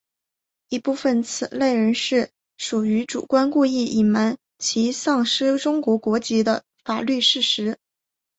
一部分此类人士属于主观故意隐瞒其丧失中国国籍的法律事实。